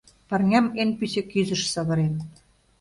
Парням эн пÿсö кÿзыш савырен.